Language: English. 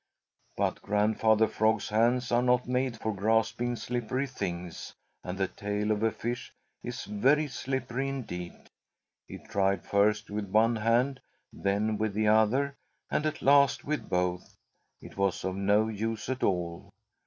But Grandfather Frog's hands are not made for grasping slippery things, and the tail of a fish is very slippery indeed. He tried first with one hand, then with the other, and at last with both. It was of no use at all.